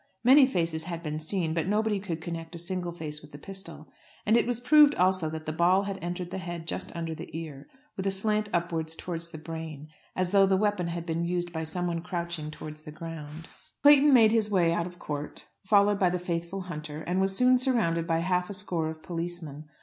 Many faces had been seen, but nobody could connect a single face with the pistol. And it was proved also that the ball had entered the head just under the ear, with a slant upwards towards the brain, as though the weapon had been used by someone crouching towards the ground. Clayton made his way out of court, followed by the faithful Hunter, and was soon surrounded by half a score of policemen.